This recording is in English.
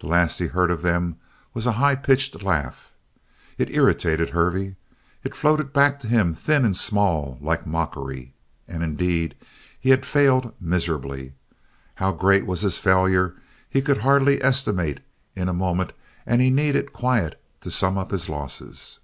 The last he heard of them was a high pitched laugh. It irritated Hervey. It floated back to him thin and small, like mockery. And indeed he had failed miserably. How great was his failure he could hardly estimate in a moment and he needed quiet to sum up his losses.